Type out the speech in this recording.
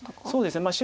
そうですね。